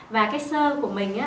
và cái sơ của mình